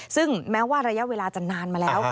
ซึ่งแม้ว่าระยะเวลาจะนานมาแล้ว